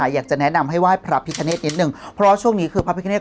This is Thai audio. อยากจะแนะนำให้ไหว้พระพิคเนธนิดนึงเพราะว่าช่วงนี้คือพระพิกาเนต